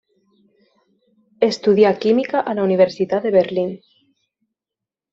Estudià química a la Universitat de Berlín.